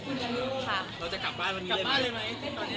เราจะกลับบ้านวันนี้เลยไหมตอนนี้